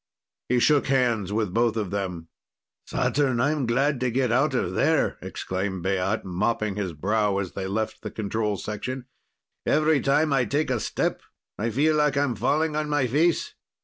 He shook hands with both of them. "Saturn, I'm glad to get out of there!" exclaimed Baat, mopping his brow as they left the control section. "Every time I take a step, I feel like I'm falling on my face."